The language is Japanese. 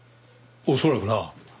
恐らくな。